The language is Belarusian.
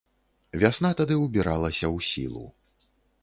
Вясна тады ўбіралася ў сілу.